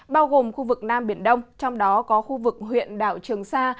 bao gồm khu vực nam biển đông trong đó có khu vực huyện đảo trường sa